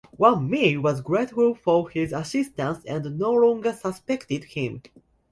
Wang Mi was grateful for his assistance and no longer suspected him.